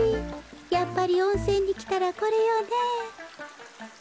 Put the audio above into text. やっぱりおんせんにきたらこれよね。